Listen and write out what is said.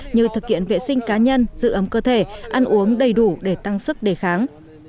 như thực hiện vệ sinh cá nhân giữ ấm cơ thể ăn uống đầy đủ để tăng sức đề kháng